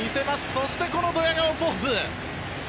そして、このドヤ顔ポーズ。